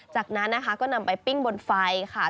จากนั้นนะคะก็นำไปปิ้งบนไฟค่ะ